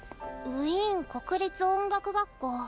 「ウィーン国立音楽学校」。